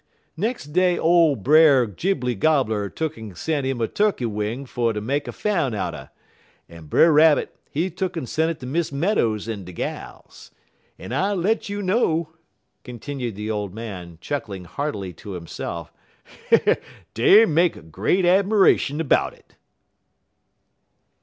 Nex' day ole Brer Gibley Gobbler tuck'n sent 'im a turkey wing fer ter make a fan out'n, en Brer Rabbit, he tuck'n sent it ter Miss Meadows en de gals. En I let you know," continued the old man, chuckling heartily to himself, "dey make great 'miration 'bout it."